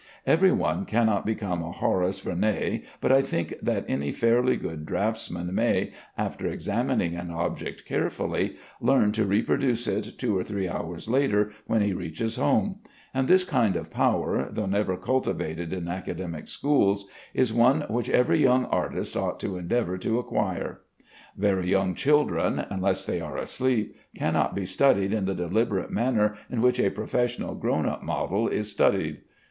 Every one cannot become a Horace Vernet, but I think that any fairly good draughtsman may, after examining an object carefully, learn to reproduce it two or three hours later when he reaches home; and this kind of power (though never cultivated in academic schools) is one which every young artist ought to endeavor to acquire. Very young children (unless they are asleep) cannot be studied in the deliberate manner in which a professional grown up model is studied.